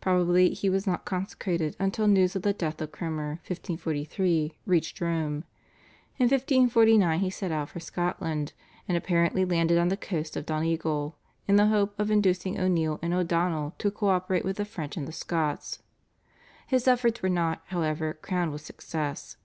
Probably he was not consecrated until news of the death of Cromer (1543) reached Rome. In 1549 he set out for Scotland, and apparently landed on the coast of Donegal in the hope of inducing O'Neill and O'Donnell to co operate with the French and the Scots. His efforts were not, however, crowned with success.